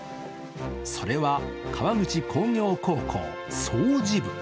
それは川口工業高校掃除部。